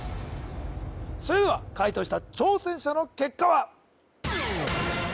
それでは解答した挑戦者の結果は？